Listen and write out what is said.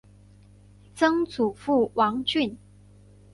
曾祖父王俊。